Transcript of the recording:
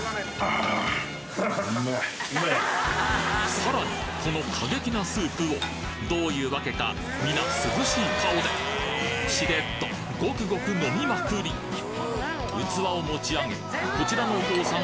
さらにこの過激なスープをどういうわけか皆涼しい顔でしれっとごくごく飲みまくり器を持ち上げこちらのお父さん